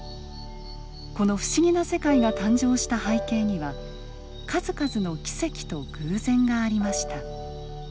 この不思議な世界が誕生した背景には数々の奇跡と偶然がありました。